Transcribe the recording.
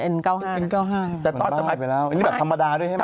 นี่แบบธรรมดาด้วยใช่ไหม